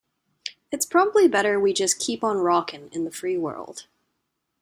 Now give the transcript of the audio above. It's probably better we just keep on rockin' in the free world.